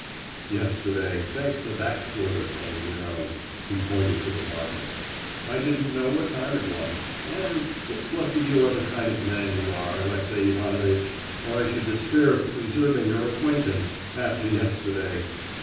Yesterday, thanks to that sort of thing, you know," (he pointed to the bottle), "I didn't know what time it was, and—it's lucky you are the kind of man you are, Alexey Ivanovitch, or I should despair of preserving your acquaintance, after yesterday!